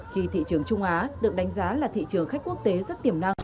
khi thị trường trung á được đánh giá là thị trường khách quốc tế rất tiềm năng